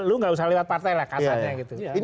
lu enggak usah lewat partai lah kasarnya gitu